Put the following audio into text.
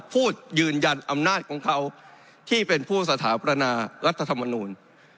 พูดยืนยันอำนาจของเขาที่เป็นผู้สถาปนารัฐธรรมนูล